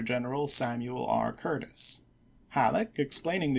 ^ V\ Greneral Samuel R. Curtis. Halleck, explaining the p'. 653.